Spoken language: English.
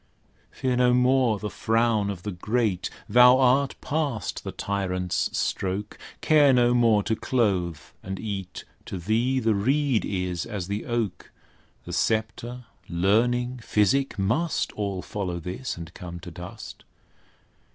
Fear no more the frown of the great, Thou art past the tyrant's stroke: Care no more to clothe and eat; To thee the reed is as the oak: The sceptre, learning, physic, must All follow this, and come to dust.